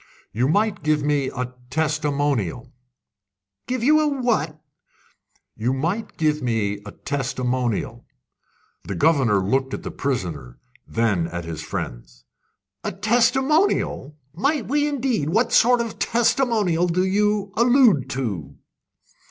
"You might give me a testimonial." "Give you what?" "You might give me a testimonial." The governor looked at the prisoner, then at his friends. "A testimonial! Might we indeed! What sort of testimonial do you allude to?"